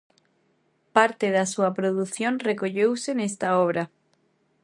Parte da súa produción recolleuse nesta obra.